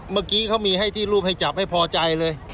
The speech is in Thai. เมื่อกี้เขามีให้ที่รูปให้จับให้พอใจเลย